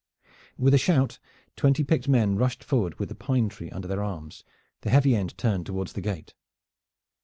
With a shout, twenty picked men rushed forward with the pine tree under their arms, the heavy end turned toward the gate.